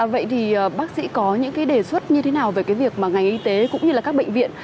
vậy thì bác sĩ có những đề xuất như thế nào về việc ngành y tế cũng như các bệnh viện